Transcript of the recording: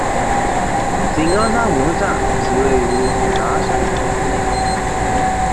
井冈山火车站即位于拿山乡境内。